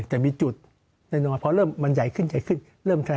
แต่มีจุดในน้อยเพราะเริ่มมันใหญ่ขึ้นเริ่มแท้